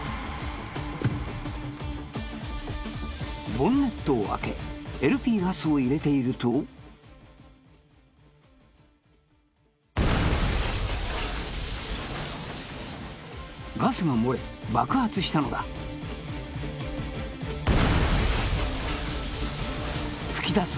ボンネットを開けＬＰガスを入れているとガスが漏れ爆発したのだ噴き出す